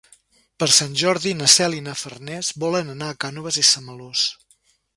Per Sant Jordi na Cel i na Farners volen anar a Cànoves i Samalús.